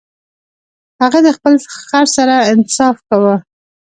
هغه د خپل خر سره انصاف کاوه.